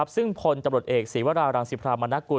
ซึ่งพลตำรวจเอกศีวรารังสิพรามนกุล